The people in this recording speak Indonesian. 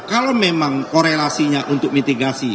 kalau memang korelasinya untuk mitigasi